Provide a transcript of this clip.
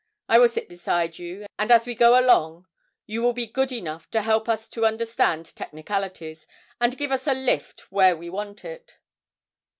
'I will sit beside you, and as we go along you will be good enough to help us to understand technicalities, and give us a lift where we want it.'